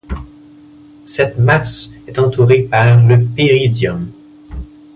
Cette masse est entourée par le péridium.